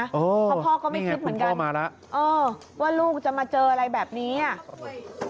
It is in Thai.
พ่อก็ไม่คิดเหมือนกันว่าลูกจะมาเจออะไรแบบนี้พ่อมาแล้ว